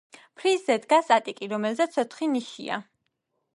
ფრიზზე დგას ატიკი, რომელზეც ოთხი ნიშია.